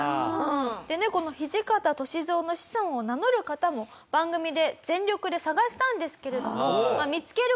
でねこの土方歳三の子孫を名乗る方を番組で全力で探したんですけれども。